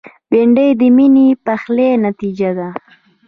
بېنډۍ د میني پخلي نتیجه ده